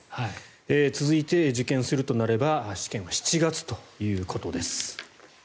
続いて受験するとなれば試験は７月ということです。